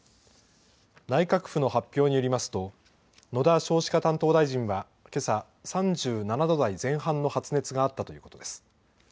内閣府の発表によりますと野田少子化担当大臣はけさ３７度台前半の発熱があったということです。